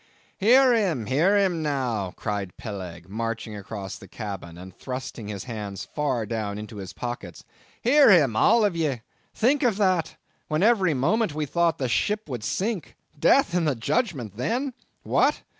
"Hear him, hear him now," cried Peleg, marching across the cabin, and thrusting his hands far down into his pockets,—"hear him, all of ye. Think of that! When every moment we thought the ship would sink! Death and the Judgment then? What?